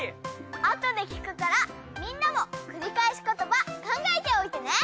あとで聞くからみんなもくりかえしことば考えておいてね！